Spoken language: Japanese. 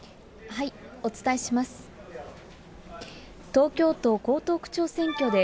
東京都江東区長選挙で、